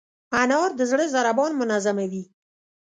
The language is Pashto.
انار د زړه ضربان منظموي.